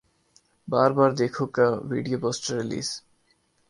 بار بار دیکھو کا video poster release